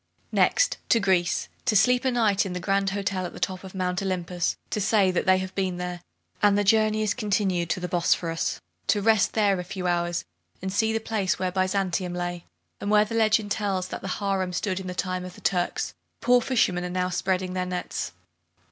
Next to Greece, to sleep a night in the grand hotel at the top of Mount Olympus, to say that they have been there; and the journey is continued to the Bosphorus, to rest there a few hours, and see the place where Byzantium lay; and where the legend tells that the harem stood in the time of the Turks, poor fishermen are now spreading their nets.